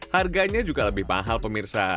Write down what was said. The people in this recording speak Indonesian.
harganya juga lebih mahal pemirsa